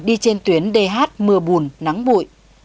đi trên tuyến dh mưa bùn nắng bụi